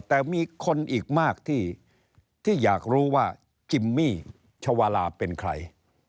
แต่มีคนอีกมากที่อยากรู้ว่าจิมมี่ชวาลาเป็นใคร